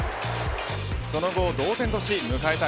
その後、同点とし迎えた